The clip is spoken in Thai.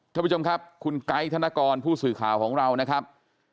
ท่านผู้ชมครับคุณไกด์ธนกรผู้สื่อข่าวของเรานะครับ